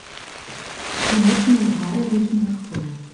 Klamotten und Haare riechen nach Feuer.